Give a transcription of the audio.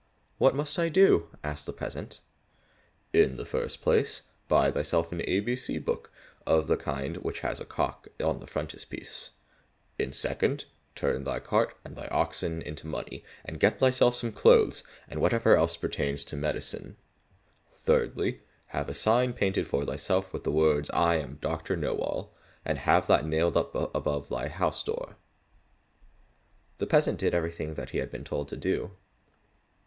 "What must I do?" asked the peasant. "In the first place buy thyself an A B C book of the kind which has a cock on the frontispiece: in the second, turn thy cart and thy two oxen into money, and get thyself some clothes, and whatsoever else pertains to medicine; thirdly, have a sign painted for thyself with the words, "I am Doctor Knowall," and have that nailed up above thy house door." The peasant did everything that he had been told to do.